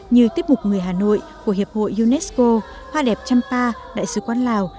như tiết mục người hà nội của hiệp hội unesco hoa đẹp champa đại sứ quán lào